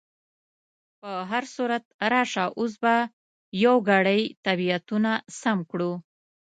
په هر صورت، راشه اوس به یو ګړی طبیعتونه سم کړو.